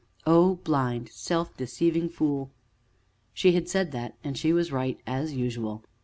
O blind, self deceiving fool! She had said that, and she was right as usual.